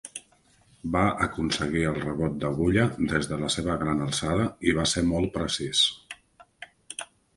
Va aconseguir el rebot d'agulla des de la seva gran alçada i va ser molt precís.